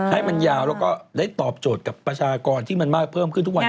ให้มันยาวแล้วก็ได้ตอบโจทย์กับประชากรที่มันมากเพิ่มขึ้นทุกวันนี้